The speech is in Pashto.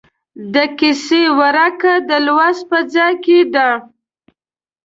د کیسې ورکه د لوست په ځای کې ده.